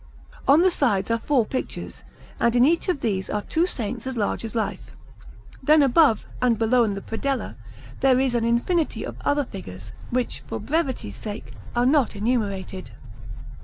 On the sides are four pictures, and in each of these are two saints as large as life. Then above, and below in the predella, there is an infinity of other figures, which, for brevity's sake, are not enumerated.